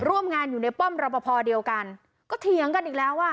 ร่วมงานอยู่ในป้อมรอปภเดียวกันก็เถียงกันอีกแล้วอ่ะ